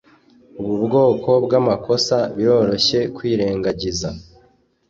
ubu bwoko bwamakosa biroroshye kwirengagiza